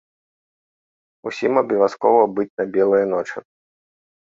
Усім абавязкова быць на белыя ночы!